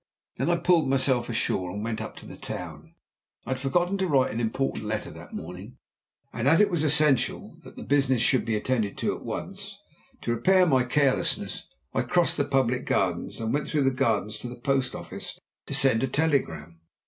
Then I pulled myself ashore and went up to the town. I had forgotten to write an important letter that morning, and as it was essential that the business should be attended to at once, to repair my carelessness, I crossed the public gardens and went through the gardens to the post office to send a telegram.